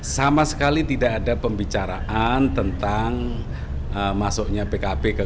sama sekali tidak ada pembicaraan tentang masuknya pkb ke